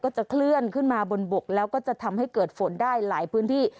จะเคลื่อนขึ้นมาบนบกแล้วก็จะทำให้เกิดฝนได้หลายพื้นที่